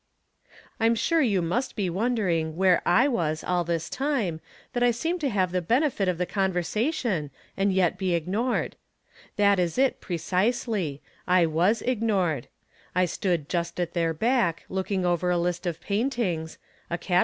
I'm sure you must be wondering where I was all this time, that I seemed to have the benefit of this conversation, and yet be ignored. That is it, precisely ; I was ignored. I stood just at their back, looking over a Ust of paintings — a cata From Different Standpoints.